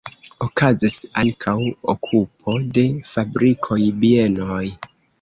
Okazis ankaŭ okupo de fabrikoj, bienoj.